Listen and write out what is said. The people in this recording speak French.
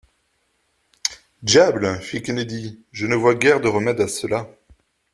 Diable! fit Kennedy, je ne vois guère de remède à cela.